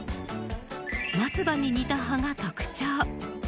松葉に似た葉が特徴。